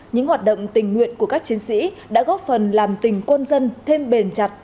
những hoạt động tình nguyện của các chiến sĩ đã góp phần làm tỉnh quân dân thêm bền chặt